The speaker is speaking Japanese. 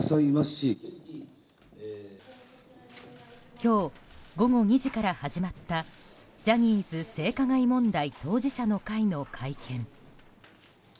今日、午後２時から始まったジャニーズ性加害問題当事者の会の会見。